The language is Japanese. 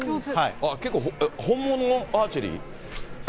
結構、本物のアーチェリー？